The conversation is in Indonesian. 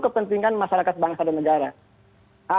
kepentingan masyarakat bangsa dan negara